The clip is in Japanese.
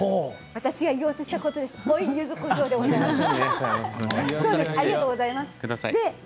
私が言おうといたことでした。